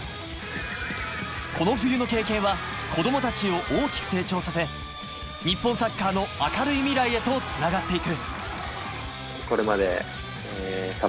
この冬の経験は子供たちを大きく成長させ日本サッカーの明るい未来へとつながっていく。